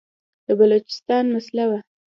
د بلوچستان مسله وه.